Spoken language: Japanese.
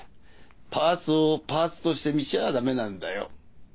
パーツをパーツとして見ちゃだめなんだよ。